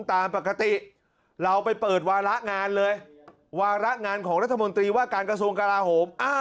ตามปกติเราไปเปิดวาระงานเลยวาระงานของรัฐมนตรีว่าการกระทรวงกลาโหม